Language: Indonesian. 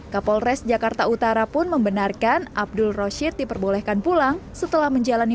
kapolres jakarta utara pun membenarkan abdul roshid diperbolehkan pulang setelah menjalani